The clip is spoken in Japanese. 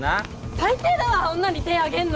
最低だわ女に手あげんの！